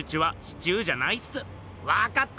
わかった！